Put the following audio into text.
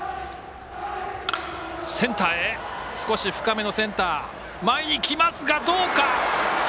少し深めのセンター前に来ますが、どうか。